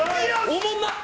おもんなっ！